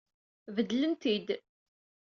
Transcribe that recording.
Beddlen-t-id.